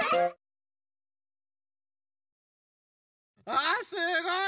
あすごい！